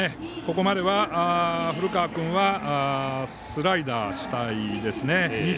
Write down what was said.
ここまでは古川君はスライダー主体ですね。